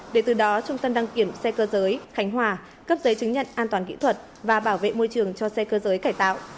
để từ đó trung tâm đăng kiểm xe cơ giới khánh hòa cấp giấy chứng nhận an toàn kỹ thuật và bảo vệ môi trường cho xe cơ giới cải tạo